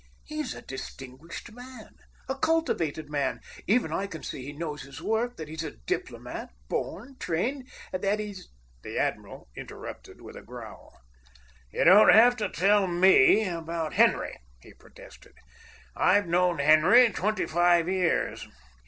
He's a distinguished man, a cultivated man; even I can see he knows his work, that he's a diplomat, born, trained, that he's——" The admiral interrupted with a growl. "You don't have to tell ME about Henry," he protested. "I've known Henry twenty five years.